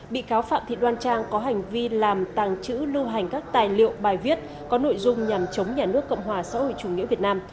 bị cáo phạm thị đoan trang có hành vi làm tàng trữ lưu hành các tài liệu bài viết có nội dung nhằm chống nhà nước cộng hòa xã hội chủ nghĩa việt nam